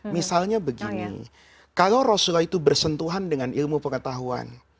misalnya begini kalau rasulullah itu bersentuhan dengan ilmu pengetahuan